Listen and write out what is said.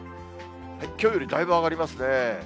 きょうよりだいぶ上がりますね。